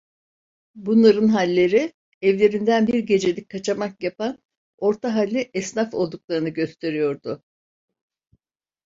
Bunların halleri, evlerinden bir gecelik kaçamak yapan orta halli esnaf olduklarını gösteriyordu.